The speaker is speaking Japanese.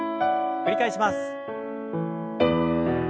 繰り返します。